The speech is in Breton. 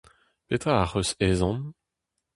Petra ac'h eus ezhomm ?